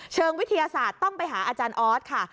เชิงวิทยาศาสตร์ต้องไปหาอาจารย์ออสค่ะ